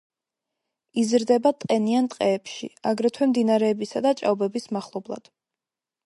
იზრდება ტენიან ტყეებში, აგრეთვე მდინარეებისა და ჭაობების მახლობლად.